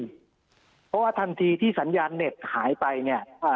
เพราะว่าทันทีที่สัญญาณเน็ตหายไปเนี่ย